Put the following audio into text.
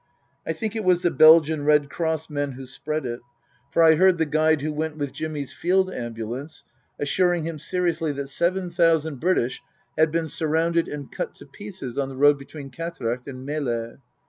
I think it was the Belgian Red Cross men who^spread it, for I heard Book III : His Book 321 the guide who went with Jimmy's Field Ambulance assuring him seriously that seven thousand British had been surrounded and cut to pieces on the road between Quatrecht and Melle.